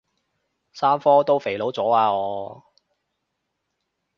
三科都肥佬咗啊我